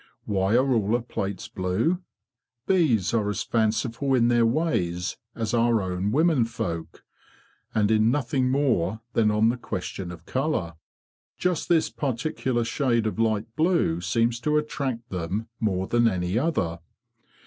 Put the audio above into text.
Why are all the plates blue? Bees are as fanciful in their ways as our own women folk, and in nothing more than on the question of colour. Just this particular shade of light blue seems to attract them more than any other.